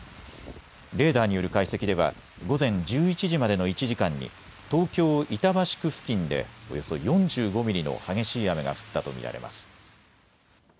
レーダーによる解析では午前１１時までの１時間に東京板橋区付近でおよそ４５ミリの激しい雨が降ったと見られます。